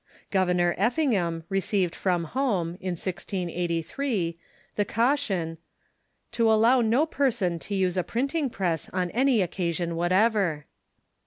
Governor Effingham received from home, in 1683, the caution "to allow no person to use a printing press on any occasion whatever."